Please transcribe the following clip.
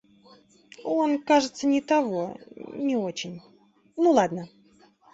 Он, кажется, не того… не очень… Ну ладно!